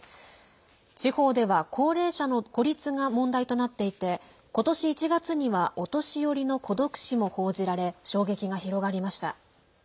地方では高齢者の孤立が問題となっていて今年１月にはお年寄りの孤独死も報じられ衝撃が広がりました。